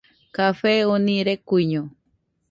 Café oni rekuiño